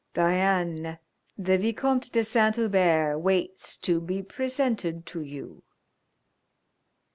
"Diane, the Vicomte de Saint Hubert waits to be presented to you."